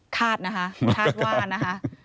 คาดนะคะคาดว่านะคะ